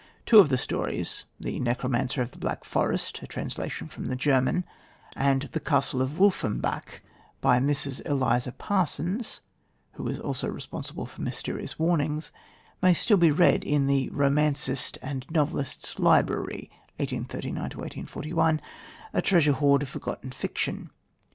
Two of the stories The Necromancer of the Black Forest, a translation from the German, and The Castle of Wolfenbach, by Mrs. Eliza Parsons (who was also responsible for Mysterious Warnings) may still be read in The Romancist and Novelist's Library (1839 1841), a treasure hoard of forgotten fiction.